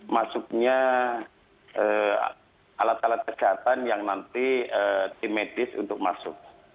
masuknya alat alat kesehatan yang nanti tim medis untuk masuk